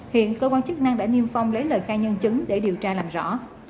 hiện cơ quan chức năng đã niêm phong lấy lời khai nhân chứng để điều tra làm rõ